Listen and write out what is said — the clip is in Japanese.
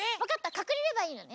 かくれればいいのね？